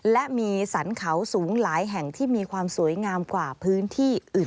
และมีสรรเขาสูงหลายแห่งที่มีความสวยงามกว่าพื้นที่อื่น